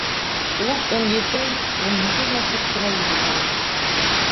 Ул ун ете-ун һигеҙ йәшлек кенә егет ине.